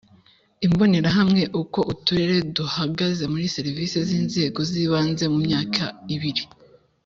Imbonerahamwe Uko Uturere duhagaze muri serivisi z inzego z ibanze mu myaka ibiri